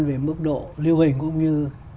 về mức độ lưu hình cũng như